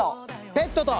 ペットと。